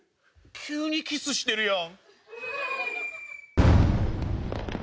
急にキスしてるやん。